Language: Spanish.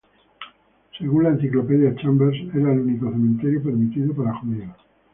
Según la Enciclopedia Chambers, era el único cementerio permitido para judíos.